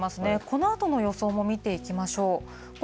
このあとの予想も見ていきましょう。